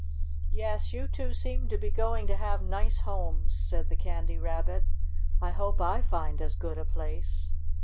"Yes, you two seem to be going to have nice homes," said the Candy Rabbit. "I hope I find as good a place."